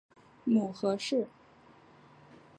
母何氏。